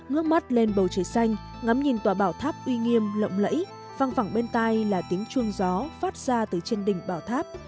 ngước mắt lên bầu trời xanh ngắm nhìn tòa bảo tháp uy nghiêm lộng lẫy văng phẳng bên tay là tiếng chuông gió phát ra từ trên đỉnh bảo tháp